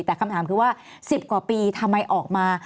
แต่คำถามคือว่า๑๐กว่าปีทำไมออกมา